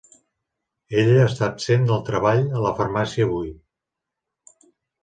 Ella està absent del treball a la farmàcia avui.